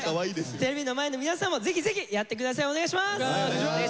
テレビの前の皆さんもぜひぜひやって下さいお願いします。